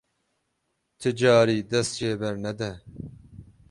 Ti carî dest jê bernede.